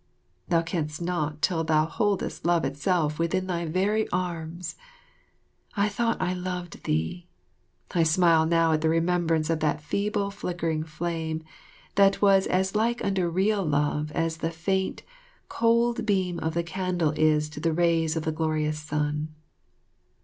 Thou canst not till thou holdest Love itself within thy very arms. I thought I loved thee. I smile now at the remembrance of that feeble flickering flame that was as like unto the real love as the faint, cold beam of the candle is to the rays of the glorious sun.